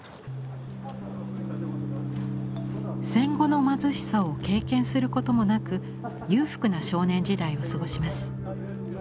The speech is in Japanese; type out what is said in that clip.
戦後の貧しさを経験することもなく裕福な少年時代を過ごします。